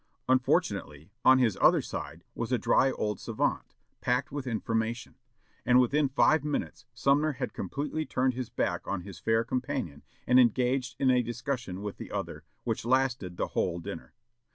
Unfortunately, on his other side was a dry old savant, packed with information; and within five minutes Sumner had completely turned his back on his fair companion and engaged in a discussion with the other, which lasted the whole dinner.